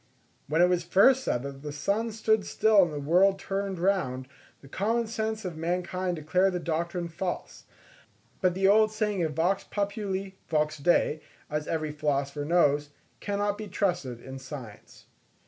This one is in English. When it was first said that the sun stood still and the world turned round, the common sense of mankind declared the doctrine false; but the old saying of Vox populi, vox Dei, as every philosopher knows, cannot be trusted in science.